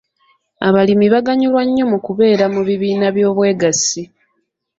Abalimi baganyulwa nnyo mu kubeera mu bibiina by'obwegassi.